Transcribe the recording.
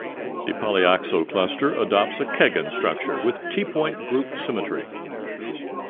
The polyoxo cluster adopts a Keggin structure, with T point group symmetry.